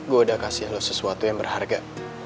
gue udah kasih sesuatu yang berharga